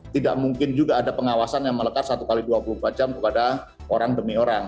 tidak mungkin juga ada pengawasan yang melekat satu x dua puluh empat jam kepada orang demi orang